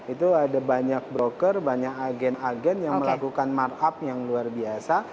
itu ada banyak broker banyak agen agen yang melakukan markup yang luar biasa